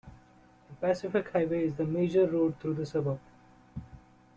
The Pacific Highway is the major road through the suburb.